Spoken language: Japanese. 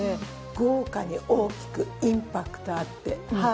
豪華に大きくインパクトあってはい。